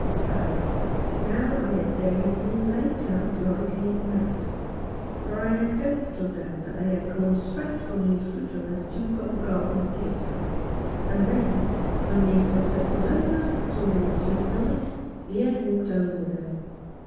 So now I had their evening laid out like a map ; for I had very little doubt that they had gone straight from the fruiterer's to Covent Garden Theatre. And then, when the concert was over, towards midnight, he had walked home with her.